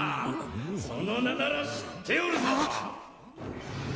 その名なら知っておるぞ！